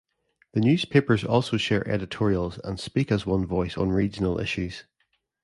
The newspapers also share editorials and speak as one voice on regional issues.